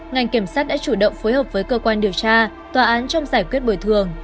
ngành kiểm sát đã chủ động phối hợp với cơ quan điều tra tòa án trong giải quyết bồi thường